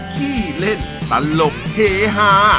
ขี้เล่นตลกเฮฮา